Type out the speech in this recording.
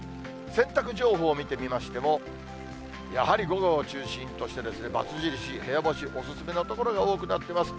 洗濯情報を見てみましても、やはり午後を中心として×印、部屋干しお勧めの所が多くなってます。